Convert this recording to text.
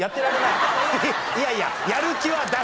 いやいややる気は出せ